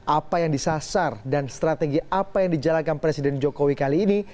apa yang disasar dan strategi apa yang dijalankan presiden jokowi kali ini